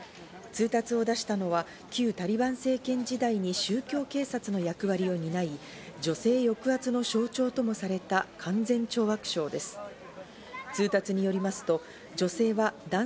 通達を出したのは旧タリバン政権時代に宗教警察の役割を担い、女性抑圧の象徴ともされた勧善懲悪省です。